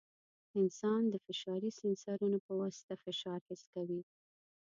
انسان د فشاري سینسرونو په واسطه فشار حس کوي.